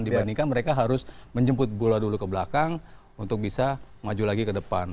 dibandingkan mereka harus menjemput bola dulu ke belakang untuk bisa maju lagi ke depan